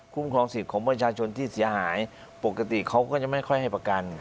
ครองสิทธิ์ของประชาชนที่เสียหายปกติเขาก็จะไม่ค่อยให้ประกัน